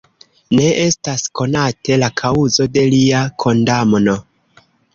Ne estas konate la kaŭzo de lia kondamno.